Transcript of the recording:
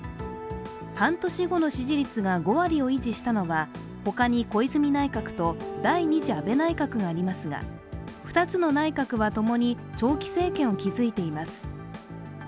半年後の支持率が５割を維持したのはほかに小泉内閣と第２次安倍内閣がありますが２つの内閣はともに長期政権を築いています。